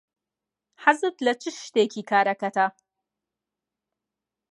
حەزت لە چ شتێکی کارەکەتە؟